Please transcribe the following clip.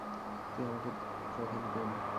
তুই আমার প্রথম প্রেম।